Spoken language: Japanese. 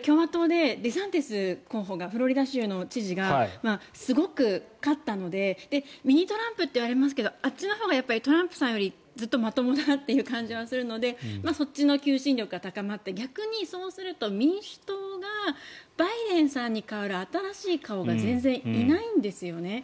共和党でデサンティス候補がフロリダ州の知事がすごく勝ったのでミニトランプといわれますがあっちのほうがトランプさんよりまともな感じがするのでそっちの求心力が高まって逆に民主党がバイデンさんに代わる新しい顔が全然いないんですね。